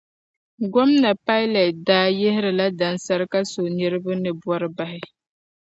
Gomna Pailɛt daa yi yihirila dansarika so niriba ni bɔri bahi.